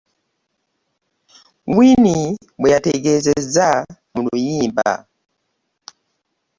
Wine bwe yategeezezza mu luyimba.